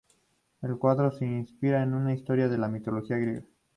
El cuadro se inspira en una historia de la mitología griega.